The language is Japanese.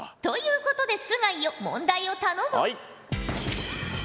ということで須貝よ問題を頼む。